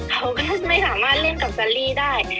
เขาก็ไม่สามารถเล่นกับซารี่ได้